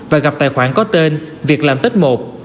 và gặp tài khoản có tên việc làm tích một